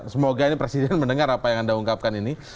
semoga ini presiden mendengar apa yang anda ungkapkan ini